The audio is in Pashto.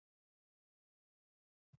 ښه عادتونه په دوام وساتئ.